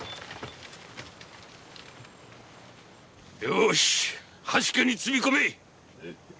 よしハシケに積み込め！